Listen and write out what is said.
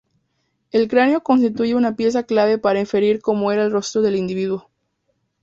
El cráneo constituye una pieza clave para inferir cómo era el rostro del individuo.